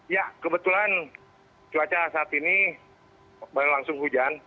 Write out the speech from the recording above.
ya kebetulan cuaca saat ini baru langsung hujan